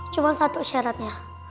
cuma satu syaratnya